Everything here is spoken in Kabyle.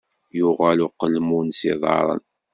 Yuɣal uqelmun s iḍaṛṛen.